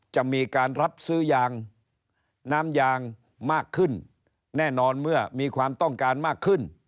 จะมีการรับซื้อยางน้ำยางมากขึ้นแน่นอนเมื่อมีความต้องการมากขึ้น